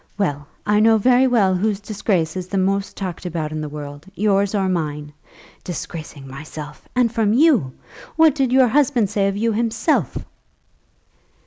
Well, I know very well whose disgrace is the most talked about in the world, yours or mine. Disgracing myself; and from you? What did your husband say of you himself?"